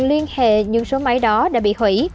liên hệ nhưng số máy đó đã bị hủy